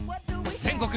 全国